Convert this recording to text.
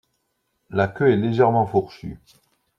La queue est légèrement fourchue.